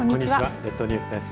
列島ニュースです。